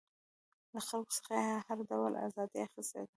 له خلکو څخه یې هر ډول ازادي اخیستې ده.